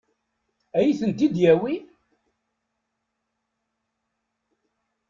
Ad iyi-ten-id-yawi?